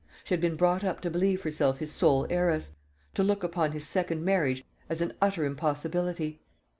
She had been brought up to believe herself his sole heiress, to look upon his second marriage as an utter impossibility.